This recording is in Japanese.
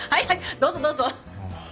どうぞどうぞ。